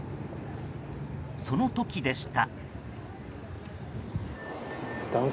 その時でした。